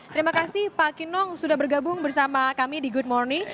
terima kasih pak kinong sudah bergabung bersama kami di good morning